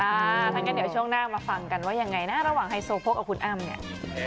ถ้างั้นเดี๋ยวช่วงหน้ามาฟังกันว่ายังไงนะระหว่างไฮโซโพกกับคุณอ้ำเนี่ย